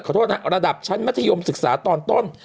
โทษนะระดับชั้นมัธยมศึกษาตอนต้น